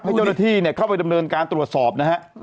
ให้เจ้าหน้าที่เข้าไปดำเนินการตรวจสอบนะฮะ